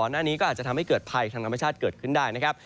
ก่อนหน้านี้ก็อาจจะทำให้เกิดพายทั้งธรรมชาติเกิดได้นะครับ